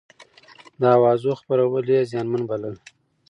د اوازو خپرول يې زيانمن بلل.